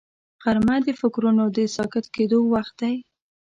غرمه د فکرونو د ساکت کېدو وخت دی